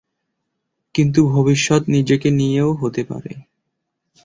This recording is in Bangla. কিন্তু ভবিষ্যত নিজেকে নিয়েও হতে পারে।